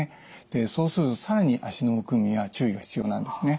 そうすると更に脚のむくみには注意が必要なんですね。